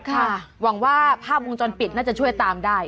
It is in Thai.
หวังว่าภาพวงจรปิดน่าจะช่วยตามได้